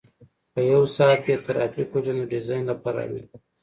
په یو ساعت کې د ترافیک حجم د ډیزاین لپاره اړین دی